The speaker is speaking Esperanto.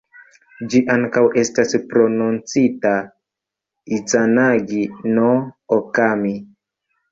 Ĝi ankaŭ estas prononcita "Izanagi-no-Okami".